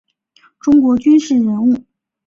中国军事人物。